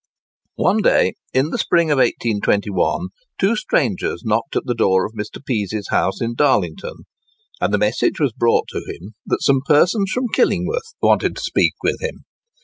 One day, in the spring of 1821, two strangers knocked at the door of Mr. Pease's house in Darlington; and the message was brought to him that some persons from Killingworth wanted to speak with him.